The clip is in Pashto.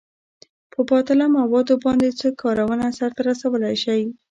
په باطله موادو باندې څه کارونه سرته رسولئ شئ؟